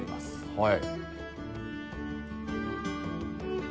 はい。